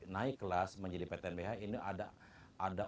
naik kelas menjadi ptnbh ini ada